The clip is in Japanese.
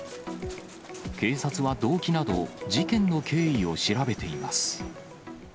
警察は動機など、事件の経緯を調べています。